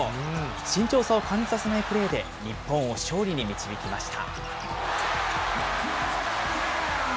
身長差を感じさせないプレーで、日本を勝利に導きました。